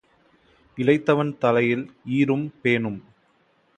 இளைத்தவன் தலையில் ஈரும் பேனும்.